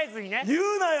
言うなよ！